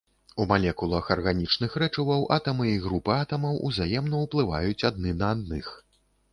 У малекулах арганічных рэчываў атамы і групы атамаў узаемна ўплываюць адны на адных.